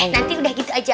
nanti udah gitu aja